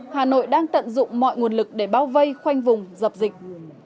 hà nội đang tận dụng mọi nguồn lực để bao vây khoanh vùng dập dịch